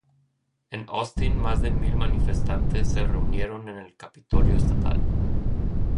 En Austin, más de mil manifestantes se reunieron en el Capitolio estatal.